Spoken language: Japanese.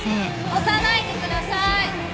押さないでください。